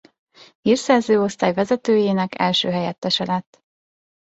Hírszerző Osztály vezetőjének első helyettese lett.